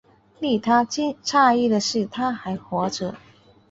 令他讶异的是她还活着